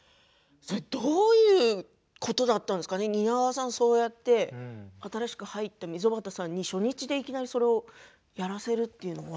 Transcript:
どういうことだったんですか蜷川さん、そうやって新しく入って溝端さんに初日でいきなりそれをやらせるというのは。